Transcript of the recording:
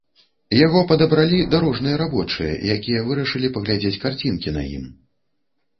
Яго падабралі дарожныя рабочыя, якія вырашылі паглядзець карцінкі на ім.